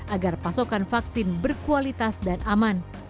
agar pasokan vaksin berkualitas dan aman